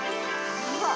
うわっ。